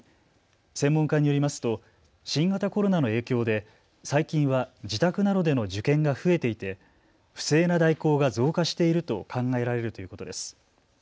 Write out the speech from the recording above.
専門家によりますと新型コロナの影響で最近は自宅などでの受験が増えていて不正な代行が増加していると考えられるということです。